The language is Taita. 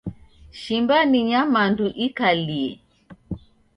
Shimba ni nyamandu ikalie.